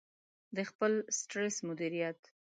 -د خپل سټرس مدیریت